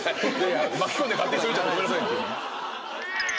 巻き込んで勝手にスベっちゃったごめんなさい。